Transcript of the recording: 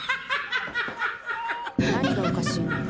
何がおかしいのよ？